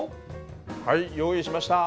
はい用意しました。